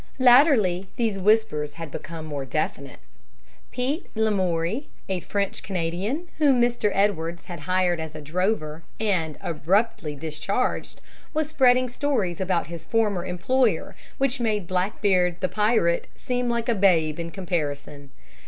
Latterly these whispers had become more definite. Pete Lamoury, a French Canadian, whom Mr. Edwards had hired as a drover, and abruptly discharged, was spreading stories about his former employer which made Blackbeard, the pirate, seem like a babe by comparison.